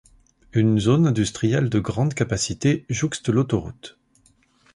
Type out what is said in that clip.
Une zone industrielle de grande capacité jouxte l'autoroute.